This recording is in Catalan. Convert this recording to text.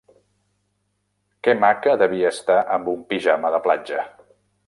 Què maca devia estar amb un pijama de platja!